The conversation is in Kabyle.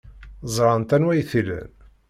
Ẓrant anwa ay t-ilan.